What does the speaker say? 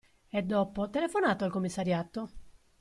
E dopo telefonato al commissariato?